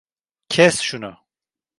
Kes şunu.